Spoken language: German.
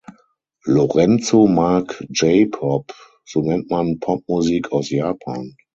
Lorenzo mag J-Pop, so nennt man Popmusik aus Japan.